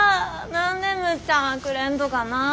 何でむっちゃんはくれんとかなぁ。